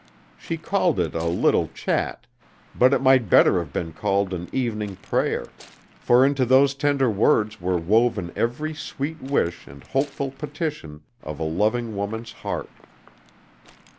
She called it a little chat, but it might better have been called an evening prayer, for into those tender words were woven every sweet wish and hopeful petition of a loving woman's heart.